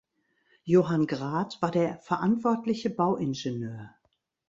Johann Grad war der verantwortliche Bauingenieur.